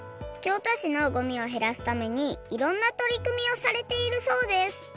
京都市のごみをへらすためにいろんなとりくみをされているそうです